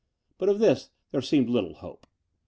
But of this there seemed little hope.